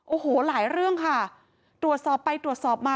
โอ้โหหลายเรื่องค่ะตรวจสอบไปตรวจสอบมา